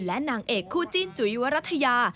และนางเอกคู่จิ้นจุ๋ยวรัฐยา